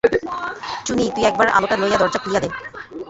চুনি, তুই একবার আলোটা লইয়া দরজা খুলিয়া দে।